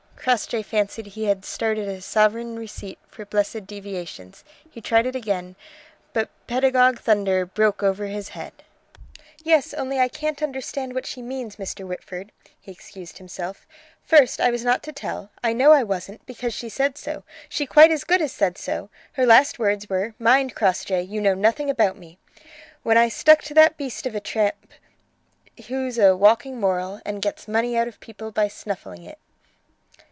Crossjay fancied he had started a sovereign receipt for blessed deviations. He tried it again, but paedagogue thunder broke over his head. "Yes, only I can't understand what she means, Mr. Whitford," he excused himself "First I was not to tell; I know I wasn't, because she said so; she quite as good as said so. Her last words were: 'Mind, Crossjay, you know nothing about me', when I stuck to that beast of a tramp, who's a 'walking moral,' and gets money out of people by snuffling it."